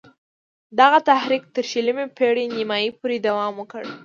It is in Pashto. دغه تحریک تر شلمې پېړۍ نیمايی پوري دوام وکړ.